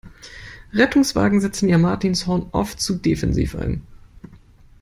Rettungswagen setzen ihr Martinshorn oft zu defensiv ein.